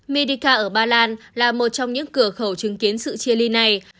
medica ở ba lan là một trong những cửa khẩu chứng kiến sự chia ly này